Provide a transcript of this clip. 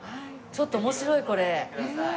ちょっと面白いこれ。